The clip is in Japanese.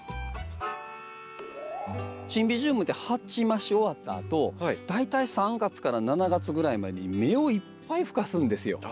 シンビジウムって鉢増し終わったあと大体３月から７月ぐらいまでに芽をいっぱい吹かすんですよ。